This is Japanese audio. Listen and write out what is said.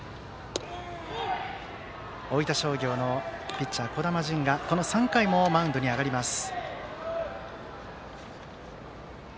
大分商業のピッチャー、児玉迅が３回もマウンドに上がります。